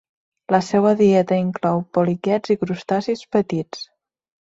La seua dieta inclou poliquets i crustacis petits.